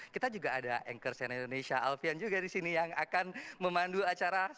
kita juga ada anchor cnn indonesia alfian juga di sini yang akan memandu acara